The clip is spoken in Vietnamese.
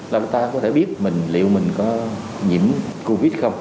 là chúng ta có thể biết liệu mình có nhiễm covid không